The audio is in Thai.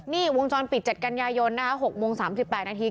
นี่วงจรปิดเจ็ดกัญญายน๖โมง๓๘นาที